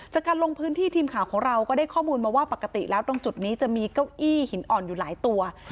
จากการลงพื้นที่ทีมข่าวของเราก็ได้ข้อมูลมาว่าปกติแล้วตรงจุดนี้จะมีเก้าอี้หินอ่อนอยู่หลายตัว